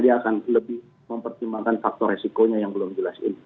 dia akan lebih mempertimbangkan faktor resikonya yang belum dijelasin